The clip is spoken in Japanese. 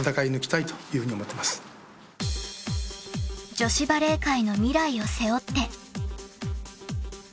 ［女子バレー界の未来を背負って］